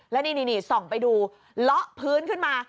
แล้วนี่ส่องไปดูเลาะพื้นขึ้นมา